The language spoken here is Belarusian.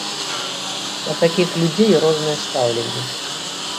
Да такіх людзей рознае стаўленне.